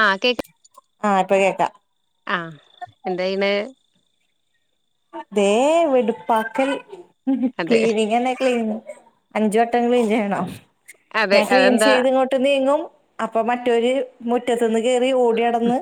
ആഹ് കേക്ക് ആഹ് ഇപ്പൊ കേക്കാം ആഹ് എന്തായിന് ദേ വെടുപ്പാക്കൽ അതെ ക്ലീനിങ്ങ് തന്നെ ക്ലീനിങ്ങ് അഞ്ചുവെട്ടം ക്‌ളീൻ ചെയ്യണോ അതെ ഞാൻ ക്ലീൻ അതെന്താ ചെയ്ത് ഇങ്ങോട്ട് നീങ്ങും അപ്പൊ മറ്റോര് മുറ്റത്തൂന്ന് കേറി ഓടി നടന്ന്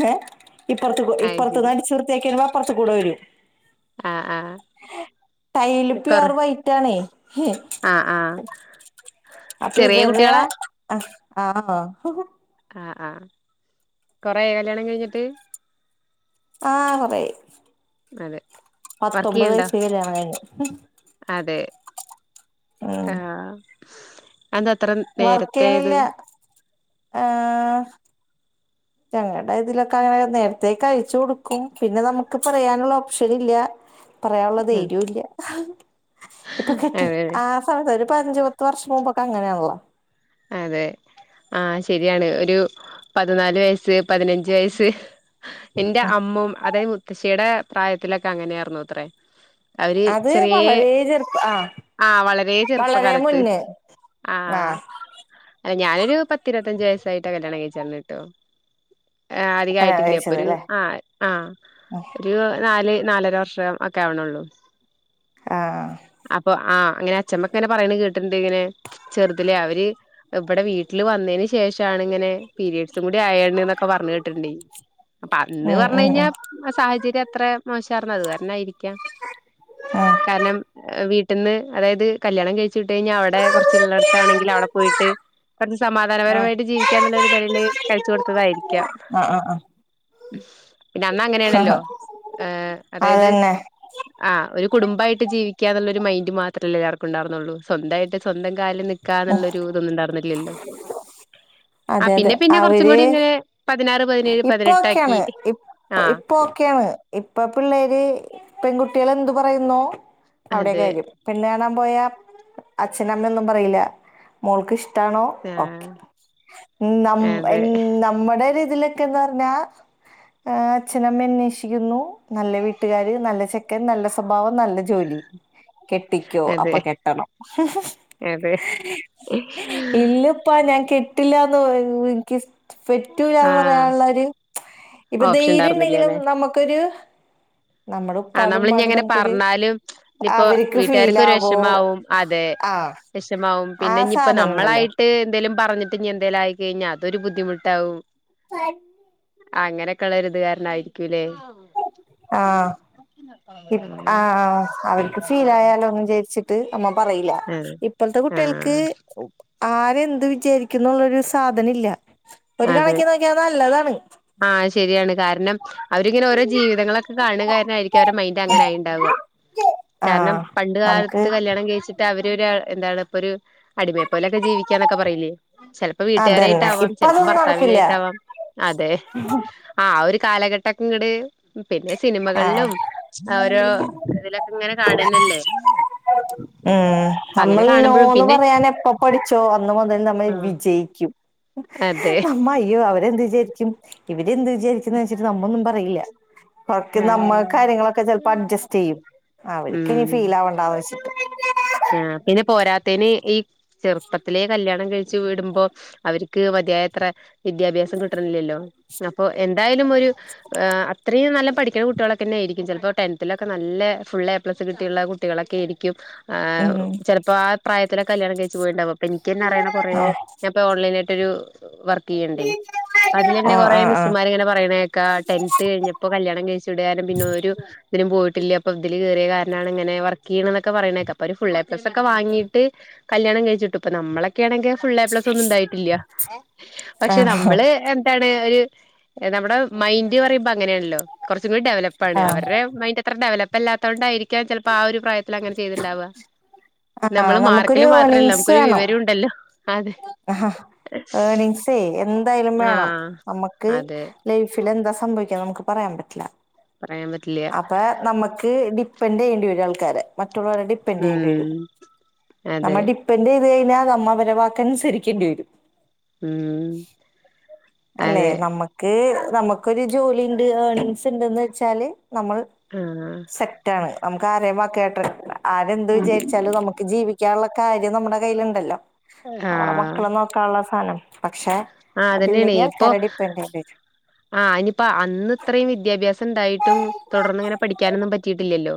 ഹേ ഇപ്പറത്ത് അയ് ഇപ്പറത്തൂന്ന് ശരി അടിച്ചു വൃത്തി ആക്കി കൂടെ വരും ആഹ് ആഹ് കൊറ ടൈലിപുവർവൈറ്റാണേ ഹേ ആഹ് ആഹ് ചെറിയ അപ്പയിവരടെ കുട്ടികളാ ആന്നോ ആആ കൊറെ ആയ കല്യാണം കഴിഞ്ഞിട്ട് ആ കൊറെയി അതെ വർക്ക് പത്തൊമ്പത് ചെയ്യ്ണ്ടോ വയസ്സി കല്യാണം കഴിഞ്ഞ് ഉ് [inaudible] അതെ ഉം ഹാ അതെന്തത്ര നേരെത്തേത് ആഹ് ഞങ്ങടെ ഇതിലൊക്കെങ്ങനെ നേരത്തേ കഴിച്ചു കൊടുക്കും പിന്നെ നമുക്ക് പറയാനുള്ള ഓപ്ഷനില്ല പറയാനുള്ള ധൈര്യുവില്ല ഇപ്പൊ കെട്ടു അതെ ആ സമയത്തൊരു ഇപ്പം അഞ്ചുപ്പത്ത് വർഷം മുമ്പൊക്കെങ്ങനെയാണല്ലോ അതെ ആ ശരിയാണ് ഒരു പതിനാല് വയസ്സ് പതിനഞ്ച് വയസ്സ് എന്റെ അമ്മു അതായത് മുത് ത്തശ്ശീടെ പ്രായത്തിലൊക്കെങ്ങനെയായിരുന്നത്രെ അത് വളരെ ചെറുപ്പ ആ ആഹ് വളരെ വളരെ ചെറുപ്പകാലത്ത് മുന്നേ ആ ആഹ് അല്ല ഞാനൊരു പത്തിരുപ്പത്തിയഞ്ച് വയസായിട്ട് കല്യാണം കഴിച്ചേ അന്ന്ട്ടോ ആ കല്യാണം അധികായിട്ടില്ല കഴിച്ചത് ഇപ്പൊരു അല്ലേ ആ ആ ഒരു നാല് നാലര വർഷം ഒക്കെ ആവണുള്ളൂ ആ അപ്പൊ ആ അങ്ങനെ അഛമ്മക്കെങ്ങനെ പറയണ കേട്ടിണ്ട് ഇങ്ങനെ ചെറുതിലെ അവര് ഇവടെ വീട്ടില് വന്നേന് ശേ ശേഷാണ് ഇങ്ങനെ പീരയഡ്സും കൂടി ആയാണെന്നൊക്കെ പറഞ്ഞു കേട്ടിട്ടുണ്ട് അപ്പൊ അന്ന് ഉം പറഞ്ഞ ഉം കഴിഞ്ഞാ ഉം സാഹചര്യം അത്ര മോശാർന്നു അത് കാരണയിരിക്കാം ആ കാരണം വീട് ട്ടന്ന് അതായത് കല്യാണം കഴിച്ച് വിട്ട് കഴിഞ്ഞാ അവിടെ കുറച്ച് ള്ളെടത്താണെങ്കിൽ അവിടെ പോ ട്ട് കൊറച്ച് ആ സമാധാനപരമായിട്ട് ജീവിക്കാന്നുള്ള നിഴല് കഴിച്ച് കൊടുത്തതായിരിക്കാം ആ ആ പിന്നെ ആ അന്നങ്ങനെയാണല്ലോ ഏം അതായത് അതന്നെ ആ ഒരു കുടുംബായിട്ട് ജീവിക്കാന്നുള്ള ഒര് ഒരു മൈൻഡ് മാത്രമല്ലെല്ലാർക്കുണ്ടാർന്നുള്ളു സ്വന്തായിട്ട് സ്വന്തം ക് കാലിൽ നിക്കാനുള്ളൊരു [unintelligible] ആ പിന്നെപ്പിന്നെ കൊറച്ചുംകൂടിയിങ്ങനെ പത് ഇപ്പൊഓക്കെയാണ് ഇ ആഹ് ഇപ്പൊഓക്കെയാണ് ഇപ്പൊ പിള്ളേര് പെൺകുട്ടികളെന്ത് പറയുന്നോ അതെ അവിടെയൊക്കെയാരിക്കും പെണ്ണ് കാണാൻ പോയാ അച്ഛനമ്മയൊന്നും പറയില്ല മോൾക്ക് ഇഷ് ട്ടാണോ ഓക്കെ ആഹ് നമ് അതെ എൻ നമ്മുടെ ഒര് ത് ക്കന്ന് പറഞ്ഞാ ആ അച്ഛനും അമ്മയും അന്വേഷിക്കുന്നു നല്ല വീട്ടുകാര് നല്ല ചെക്കൻ നല്ല സ്വഭാവം നല്ല ജോലി കെട്ടിക്കോ അതെ അപ്പൊ കെട്ടണം അതെ ഇല്ലപ്പാ ഞാൻ കെട് കിട്ടില്ലന്ന് [unintelligible] നിക്ക് സ് പെറ്റൂല്ലാന്ന് പർ ആഹ് പറയാനുള്ളൊരു ഇപ്പൊ ഓപ്ഷൻ ധൈര്യ ഉണ്ടെങ്കിലും നമുക്കൊരു നമ്മുടെ ആ ഉപ്പാടും നമ്മൾ ഇനി ഉമ്മാടും അങ്ങനെ നമുക്കൊരു പറഞ്ഞാലും ഇപ്പോ അവർക്ക് ഫീൽ വീട്ടുകാർക്ക് ഒരു ആവോ വിഷമാവും അതെ ആ വിഷമാവും ആ പിന്നെ ഇന്നിപ്പം സാധനം ഉണ്ടല്ലോ നമ്മളായിട്ട് എന്തെലും പറഞ്ഞിട്ട് ഇനി എന്തെലും ആയി കഴിഞ്ഞാൽ അതൊരു ബുദ്ധിമുട്ടാവും ആ ആ അങ്ങനെയൊക്കെ ഇള്ള ഒരിതുകാരണായിരിക്കൂല്ലേ ആഹ് ഇപ് ആഹ് ആഹ് അവർക്ക് ഫീലായാലോന്നും വിചാരിച്ചിട്ട് അമ്മ പറയില്ല ആഹ് ഇപ്പോഴത്തെ കുട്ടികൾക്ക് ആഹ് ഉപ് ആരെന്ത് വിചാരിക്കുന്നുള്ളരു സാധന ഇില്ല അതെ ആഹ ശരിയാണ് കാരണം അവരിങ്ങനെ ഓരോ ജീവിതങ്ങളൊക്കെ കാണുക കാരണംയിരിക്കും അവരുടെ മൈൻഡ് അങ്ങനെ ആ ഉണ്ടാവുക ആ കാരണം പണ്ട കാലത്ത് നമുക്ക് കല്യാണം കഴിച്ചിട്ട് അവര് അ എന്താണ് ഇപ്പൊ ഒരു അടിമയ പോലൊക്കെ ജീവിക്കാന്നൊക്കെ പറയില്ലേ ചിലപ്പോ അതന്നെ വീട്ടുകാരായിട്ടാവാം ഇപ്പൊ ചപ്പോ അതൊന്നും നടക്കില്ല ഭർത്താവിനായിട്ടാവാം അതെ ആ കാലഘട്ടക്കെ ഇങ്ങട് പിന്നെ ആ സിനിമകളിലും ഓരോ ഇതിൽ ഇങ്ങനെ കാണുന്നല്ലേ ഉം നമ്മൾ നോന്ന് പിന്നെ പറയാൻ എപ്പ പഠിച്ചോ ന്ന തന്നെ നമ്മെ ആഹ് വിജയിക്കും അതെ അമ്മയ്യോ അവരെന്ത് വിചാരിക്കും ഇവര്ന്ത് വിചാരിക്കുന്നന്ന് വെച്ചിട്ട് നമ്മളൊന്നും പറയില്ല ഉറക്ക നമ്മ ആഹ് കാര്യങ്ങളൊക്കെ ചെലപ്പോ അഡ്ജസ്റ്റ് ചെയ്യും അവർക്കിനി ഉം ഫീൽ ആവണ്ടാന്ന് വെച്ചിട്ട് ആ പിന്നെ പോരാത്തേന് ഈ ചെറുപ്പത്തിലെ കല്യാണം കഴിച്ചു വിടുമ്പോ അവർക്ക് മതിയായത്ര വിദ്യാഭ്യാസം കിട്ടണില്ലല്ലോ അപ്പോ എന്തായാലും ഒരു അത്രയും നല്ല പഠിക്കുന്ന കുട്ടികളൊക്കെന്നെ ആയിരിക്കും ചിലപ്പോ ടെൻത്തിലക്കെ നല്ല ഫുള് എ പ്ലസ് കിട്ടിയുള്ള കുട്ടികളൊക്കെയിരിക്കും ആ ഉം ചിലപ്പോ ആ പ്രായത്തി ഇത്ര കല്യാണം കഴിച്ചു പോയിണ്ടാവും അപ്പ എനിക്ക്ന്നെ അറിയണം കുറേ ആ ഞാപ്പൊ ഓൺലൈൻ ആയിട്ട് ഒരു വർക്ക് ണ്ടെ അതിലന്നെ ആ കൊറെ ആ മിസ്മാര്ങ്ങനെ പറയിണ് കേക്കാ ടെൻത്ത് കഴിഞ്ഞപ്പം കല്യാണം അനേസ്ടെ പിനെ ഒരു [unintelligible] ഇതില് കയറിയ കാരനാണ് ഇങ്ങനെ വർക്ക് ചെയ്ണ്ന്നൊക്കെ പറയിണ്കേക്കാ അപ്പൊ ഒരു ഫുൾഎപ്ലസൊക്കെ വാങ്ങീട്ട് കല്യാണം കഴിച്ചിട്ട് ഇപ്പൊ നമ്മളെ ങ്കിൽ ഫുൾ ഐ എപ്ലസൊന്നും ഉണ്ടായിട്ടില്ല ആ പക്ഷെ നമ്മള് എന്താണ് ഒരു നമ്മുടെ മൈന്ഡ് പറയുമ്പോ അങ്ങനെണല്ലോ ഡെവലപ്പാണ് ആ അവരുടെ മൈന്റ് എത്ര ഡെവലപ്പ് ല്ലാത്തതൊണ്ടായിരിക്കാ ചെലപ്പോ ആ ഒരു പ്രായ ങ്ങനെ ചെയ്തിണ്ടാവാ ആ നമ്മള് നമുക്കൊരു മാർക്കില് മാത്രമല്ല ഏണിങ്സ് നമുക്കൊരു വേണം വിവരംണ്ടല്ലോ ആ ഏണിങ്സേ എന്തായാലും വേണം ആഹ് നമ്മ്ക്ക് അതെ ലൈഫിൽ എന്താ സംഭവിക്കാ നമക്ക് പറയാൻ പറ്റില്ല പറയാൻ പറ്റില്ല അപ്പൊ നമക്ക് ഡി പ്പന്റെയ്യണ്ടിയരും ആൾക്കാരെ മറ്റുള്ളവരെ ഡിപ്പെന്റ് ചെയെണ്ടി വരും ഉം അതെ നമ്മൾ ഡിപ്പെന്റ് ചെയ്ത് കഴിഞ്ഞാ മ്മള് അവരെ വാക്ക് അനുസരിക്കേണ്ടി വരും ഉം അല്ലെ അതെ നമ്മക്ക് നമുക്കൊരു ജോലിണ്ട് ഏണിങ്സ് ണ്ട്ന്ന് വെച്ചാല് നമ്മൾ ആഹ് സെറ്റാണ് നമുക്ക് ആരേമ്മ കേട്ടി ആരെന്ത് വിചാരിച്ചാലും നമുക്ക് ജീവിക്ക ക്കാനുള്ള കാര്യം നമ്മുടെ കയ്യിലുണ്ടല്ലോ നമ്മളെ ആഹ് മക്കളെ നോക്കാള്ള സാനം പക്ഷെ ആഹ് അതിലേ അതന്നെയാണേ ഇപ്പൊ ആ ഐനിപ്പോ അന്ന് ഇത്രയും വിദ്യാഭ്യാസ ണ്ടായിട്ടും തുടർന്ന് ഇങ്ങെനെ പഠിക്കാനൊന്നും പറ്റിയിട്ടില്ലല്ലോ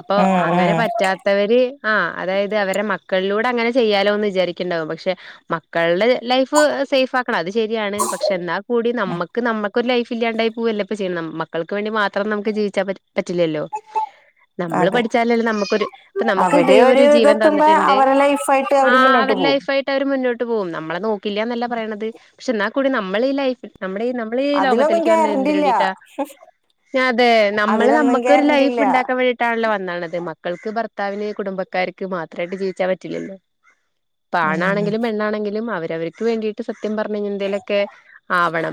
അപ്പൊ ഉം അങ്ങനെ ഉം പറ്റാത്തവര് ആ അതായത് അവരെ മക്കളിലൂടെ അങ്ങനെ ചെയ്യാലോ എന്ന് വിചാരിക്ക്‌ണ്ടാവും പക്ഷെ മക്കളുടെ ലൈഫ് സേഫ് കണം അത് ശരിയാണ് പക്ഷെ എന്നാൽ കൂടി നമുക്ക് നമുക്ക് ഒരു ലൈഫ് ഇല്ലാണ്ടായി പോവല്ലേ പ്പം ചെയ്യിനത് മക്കൾക്ക് വേണ്ടി മാത്രം നമുക്ക് ജീവിച്ചാ പറ്റില്ലല്ലോ നമ്മള് അതെ പഠിച്ചാലല്ലെ നമുക്കൊരു നമുക്ക് അവര് ദൈവം ഒരു ജീവൻ ഇതെത്തുമ്പോ തന്നിട്ടുണ്ട് അവരെ ലൈഫായിട്ട് ആ അവര് മുന്നോട്ട് അവരുടെ പോകും ലൈഫ് ആയിട്ട് അവര് മുന്നോട്ട് പോവും നമ്മളെ നോക്കില്ലന്നല്ല റയണത് പക്ഷെ എന്നാൽ കൂടി നമ്മള് ഈ ലൈഫി നമ്മുടെ ഈ നമ്മൾ ഈ അതിലൊന്നും ലോകത്തിലേക്ക് വന്നത് ഗ്യാരണ്ടി എന്തിന് ഇല്ല വേണ്ടീട്ടാ അതെ നമ്മള് അതിലൊന്നും നമ്മുക്കൊരു ഗ്യാരണ്ടി ലൈഫ് ഇല്ല ഉണ്ടാക്കാൻ വേണ്ടിട്ടാണല്ലോ വന്നത് മക്കൾക്ക് ഭർത്താവിന് കുടുംബക്കാർക്ക് മാത്രമായിട്ട് ജീവിച്ചാ പറ്റില്ലല്ലോ ഉം പാണാണെങ്കിലും പെണ്ണാണെങ്കിലും അവ അവർക്ക് വേണ്ടി സത്യം പറഞ്ഞാലന്തേലൊക്കെ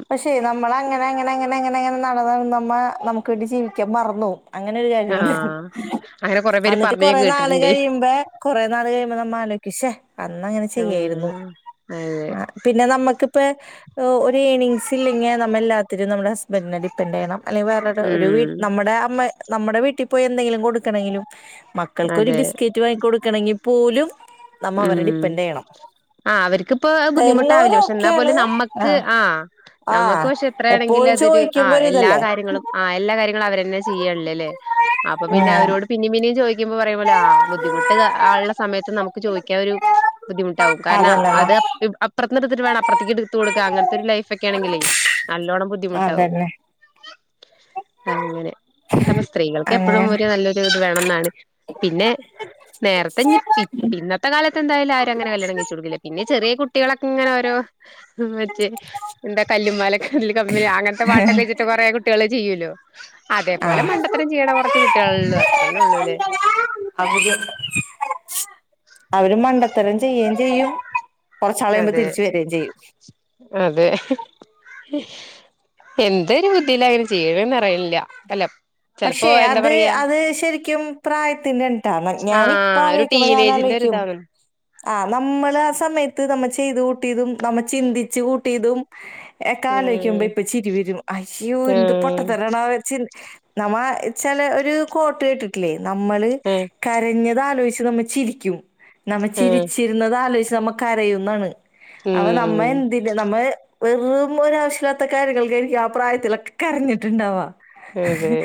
പക്ഷെ നമ്മളങ്ങനെങ്ങനെങ്ങനെങ്ങനെ ന, ത നമ്മ നമുക്ക് വേണ്ടി ജീവിക്കാം വേണ്ടി മറന്ന് പോവും അങ്ങനെ ഒരു കാര്യണ്ട് ആഹ് അങ്ങനെ കൊറെ പേര് എന്നിട്ട് പറഞ്ഞ് ഞാൻ കൊറേ നാള് കേട്ടിട്ടുണ്ടേ കഴിയുമ്പ കൊറെ നാള് കഴിയുമ്പ നമ്മ ആലോക്കിച്ചേ അന്നങ്ങനെ ചെയ്യായിരുന്നു ആഹ് അതെ ആ പിന്നെ നമ്മുക്ക് പ ഒ ഓ ഒരു ഈണിംഗങ്സ് ഇല്ലെങ്ക നമ്മ എല്ലാരും നമ്മുടെ ഹസ്ബൻഡ് നെ ഡിപ്പെൻഡ് ചെയ്യണം അല്ലെങ്കിൽ വേറെ ഒരു വി ഉം നമ്മുടെ അമ്മ നമ്മുടെ വീട്ടിൽ പോയി എന്തെങ്കിലും കൊടുക്കണെങ്കിലും മക്കൾക്കൊരു അതെ ബിസ്ക്കറ്റ് വാങ്ങിക്കൊടു ക്കണെങ്കിൽ പോലും നമ്മ അവരെ ഉം ഡിപ്പെൻഡ് ചെയ്യണം ആ അവർക്കിപ്പ ബുദ്ധിമുട്ടാവില്ല പക്ഷെ എന്നാ തരുന്നോരൊക്കെയാണ് പോലും നമ്മക്ക് ആഹ് ആ നമുക്ക് ആഹ് പക്ഷെ എപ്പോഴും എത്രയാണെങ്കിലതൊരു ആ ചോദിക്കുമ്പോ എല്ലാ ഒരിതല്ലേ കാര്യങ്ങളും ആ എല്ലാ കാര്യങ്ങളും അവരെ ന്താ ചെയ്യലല്ലേ അപ്പൊ പിന്നെ ഉം അവരോട് പിന്നേം പിന്നേം നീ ചോയ്‌ എനിക്കിപ്പ പറയുമ്പോലെ ആ ബുദ്ധിമുട്ടുആള്ള സമയത്ത് നമു ചോദിക്കാ ഒരു ബുദ്ധിമുട്ടാവും കാരണം അതന്നെന്നാ അത് അ [unintelligible] എന്നിട്ട് വേണം അപ്പുറത്തേക്ക് എടുത്ത് കൊടുക്കാ അങ്ങനത്തെ ഒരു ലൈഫോക്കെ ആണെങ്കിലേ നല്ലോണ്ണം ബുദ്ധിമുട്ടാവും. അതന്നെ അങ്ങനെ അപ്പൊ സ്ത്രീകൾക്ക് എപ്പോഴും അങ്ങനെ ഒരു നല്ലൊരു ഇത് വേണന്നാണ്. പിന്നെ നേരത്തെഞ്ഞിപ്പി [unintelligible] ഇപ്പൊ എന്തായാലും ആരും അങ്ങനെ കല്യാണം കഴിച്ചു കൊടുക്കില്ല. പിന്നെ ചെറിയ കുട്ടികളങ്ങനൊരു മറ്റേ എന്താ കല്ലുമാല കല്ല് കമ്മല് അങ്ങനത്തെ പാട്ടൊക്കെ വെച്ചിട്ട് കൊറേ കുട്ടികള് ചെയ്യൂല്ലോ. ആ [unintelligible] അതേപോലെ മണ്ടത്തരം ചെയ്യണ കുറച്ച് കുട്ടികളുള്ളൂ അത്രന്നെ ഉള്ളൂല്ലേ അധികം അവര് മണ്ടത്തരം ചെയ്യേം ചെയ്യും കൊറച്ചാൾ കഴിയുമ്പോ അതെ തിരിച്ചു വര്യേം ചെയ്യും. ഹിഷ് എന്തൊരു ബുദ്ധിയിലാ അങ്ങനെ ചെയ്യണേന്ന് അറിയി പക്ഷെ അത് അത് ശരിക്കും പ്രായത്തിന്റെൺ ന്റാണ് ഞാനിപ്പ ആഹ് ഒരു ആലോചിക്കുമ്പോ ഞാൻ ടീനേജിന്റെ ആലോചിക്കും ഒരിതാണ് ആ നമ്മള് ആ സമയത്ത് നമ്മ ചെയ്ത കൂട്ടിയതും നമ്മ ചിന്തിച്ച് കൂട്ടിയതും എ ഉം കാലലോചിക്കുമ്പോ ഇപ്പൊ ചിരി വരും അയ്യോ എന്ത് പൊട്ട ആഹ് തരണോ വെച്ച നമ്മ ചില ഒരു ക്വാർട്ടർ [unintelligible] നമ്മള് ആഹ് കരഞ്ഞതലോചിച്ച നമ്മ ചിരിക്കും. ആഹ് ചിരിച്ചിരുന്നത് ആലോച നമ്മ കരയുന്നാണ്. അപ്പൊ നമ്മ ഉം എന്തില് നമ്മള് വെറും ഒരാവശ്യല്ലാത്ത കാര്യങ്ങൾക്ക് യാപ്രായ തിള കരഞ്ഞിട്ടുണ്ടാവാ ഹ് അതെ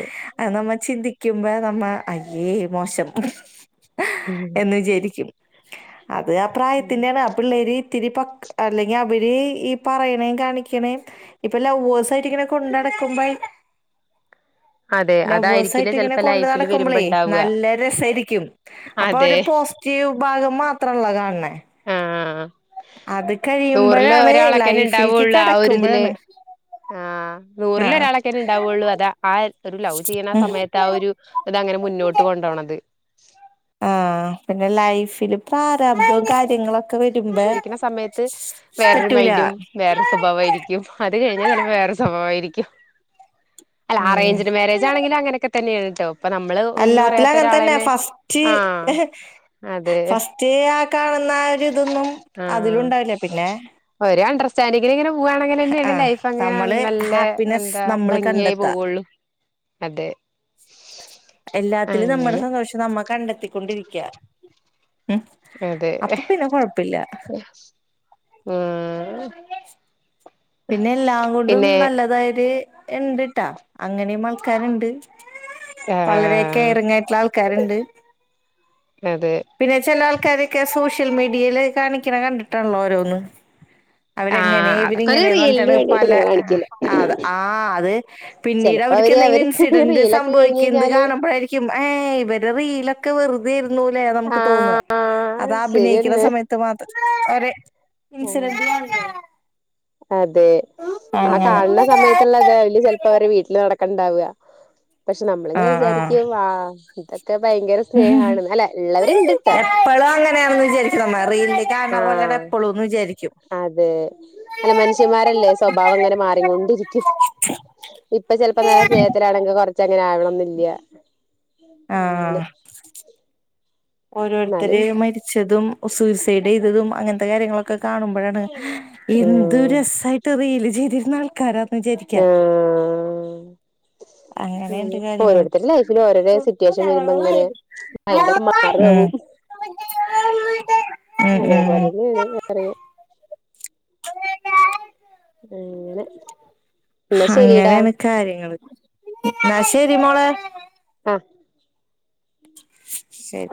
ചിന്തിക്കുമ്പോ നമ്മ അയ്യേ മോശം ഹ ഉം എന്ന് വിചാരിക്കും അത് ആ പ്രായത്തിൻ്റാണ് ആ പിള്ളേരി ഇത്തിരി പക് അല്ലെങ്കി അവര് ഈ പറയണേയും കാണിക്കണേം ഇപ്പൊ ലൗ്വേഴ്സ് ആയിട്ടിങ്ങനെ കൊണ്ട് നടക്കുമ്പോ അതെ ലവ്വേഴ്സ് അതായിരിക്കില്ലേ ആയിട്ട് ഇങ്ങനെ ചെലപ്പോ കൊണ്ടു ലൈഫില് വരുമ്പോ നടക്കുമ്പോളേ ഇണ്ടാവുക നല്ല രസായിരിക്കും അപ്പൊ അവര് അതെ പോസിറ്റീവും മാത്രമള്ള കാണണേ ആഹ അത് നൂറില് കഴിയുമ്പഴാണ് ഒരാളൊക്കെന്നെ ലൈഫിൽക്ക് ഉണ്ടാവുള്ളു ആ ഒരിതില് കടക്കുമ്പഴാണ് ആഹ് നൂറില് ആഹ് ഒരാളക്കെന്നെ ഉണ്ടാവുള്ളു അതാ ആ ഒരു ലവ് ചെയ്യണ ആ സമയത്ത് ആ ഒരു ഇതങ്ങനെ മുന്നോട്ട് കൊണ്ടോണത് [inaudible] ആ പിന്നെ ലൈഫില് പ്രാരാബ്ദവു കാര്യങ്ങളൊ ക്കുന്ന സമയത്ത് വേറൊരു പറ്റൂല മൈൻഡും വേറൊരു സ്വഭാവായിരിക്കും അത് കഴിഞ്ഞാ ചിലപ്പോ വേറൊരു സ്വഭാവായിരിക്കും അല്ല ഉം അറേഞ്ച്ഡ് മാരേജ് ആണെങ്കി അങ്ങനെയക്കെ തന്നെയാണ് ട്ടോ ഇപ്പൊ നമ്മള് ഒന്നും അല്ലാത്തിലു അറിയാത്ത അങ്ങനെ തന്നെ ഒരാളെന്നെ ഫസ്റ്റ് ആഹ് ഹ് അതെ ഫസ്റ്റ് ആ കാണുന്ന ഒരിത് ഒന്നും അതിലുണ്ടാവില്ല പിന്നെ [unintelligible] പോവാണെങ്കനെ ആ ലൈഫങ്ങനെ നമ്മള് നല്ല ഹാപ്പിനെസ് എന്താ നമ്മൾ ഭംഗിയായി പോവുള്ളു അതെ എല്ലാത്തിലു നമ്മടെ അങ്ങനെ സന്തോഷം നമ്മ കണ്ടെ ത്തിക്കൊണ്ടിരിക്ക അതെ ഹ് പിന്നെ എല്ലാ കൊണ്ടും നല്ലതായത് ഇണ്ട്ട്ടാ അങ്ങനെയുമാൾക്കാരുണ്ട് വളരെക്കെ ആഹ് ഇറങ്ങെട്ള കരണ്ട് അതെ പിന്നെ ചില ആൾക്കാരൊക്കെ സോഷ്യ ഷ്യൽ മീഡിയയില് കാണിക്കണ കണ്ടിട്ടുള്ളോരോന്ന് അവരെങ്ങനെ ആഹ് അതൊക്കെ ഒരു ഇവരിങ്ങനെന്ന് റീലിന് പറഞ്ഞിട്ടാണ് വേണ്ടിട്ട് പല ഇങ്ങനെ ആഹ് കാണിക്കില്ലേ ആഹ് ആ അത് ചെലപ്പോ പിന്നീടവർക്ക് അവര് എന്തെങ്കിലു അവര് ഇൻസീഡന്റ് റീലൊക്കെ കഴിഞ്ഞ് സംഭവിക്കുന്നത് കഴിഞ്ഞാല് കാണുമ്പോഴാരിക്കും ഏ ഇവരു റീലൊക്കെ വെറുതെയിരുന്നു ല്ലേ നമുക്ക് തോന്ന ആഹ് അത് അഭിനയിക്കുന്ന ശരിയെന്നെ സമയത്ത് മാ ഒരു നി [unintelligible] അതെ ആ കാണുന്ന സമയത്തുള്ള അതല് ചിലപ്പോ അവരെ വീട്ടില് കണ്ടാവുക പക്ഷെ ആ നമ്മളിങ്ങനെ ആ വിചാരിക്കൂ വാ ഉള്ളവരുണ്ട്ട്ടാ എപ്പഴും അങ്ങനെയാണെന്ന് വിചാരിക്കും നമ്മ റീലി കാണണ പോലെ ആഹ് എപ്പഴുംന്ന് വിചാരിക്കും ച്ചിമാരല്ലേ സ്വഭാവം അങ്ങനെ മാറൊണ്ടിരിക്കും ഇപ്പൊ ചിലപ്പോ നല്ല സ്നേഹത്തിലാണെങ്കിൽ കുറ [unintelligible] അങ്ങനെ ആവണംന്നില്ല ആ അങ്ങനെ ഓരോരുത്തര് എന്നാലും മരിച്ചതും സൂസൈഡ് ചെയ്തതും അങ്ങനത്തെ കാര്യങ്ങളൊക്കെ കാണുമ്പോഴാണ് എന്ത് ആഹ് രസയിട്ട് റീല് ചെയ്തി നാൾക്കാര വിചാരിക്കാ അങ്ങനെയുണ്ട് കാര്യങ്ങള് ഓരോരുത്തരു ലൈഫില് ഓരോര ഉം ഉം സിറ്റുവേഷൻ വരുമ്പോ ഇങ്ങനെ മൈൻറ ഒക്കെ ഉം മാറവും അതേപോലെന്നെയാണ് പറയാ [unintelligible] അങ്ങനെ എന്നാ ശരിടാ അങ്ങനെയാണ് കാര്യങ്ങള് എന്ന ശരി മോളെ അ ശരി